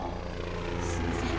すいません。